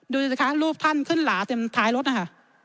ดูสิคะรูปท่านขึ้นหลาเต็มท้ายรถนะคะ